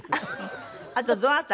あとどなた？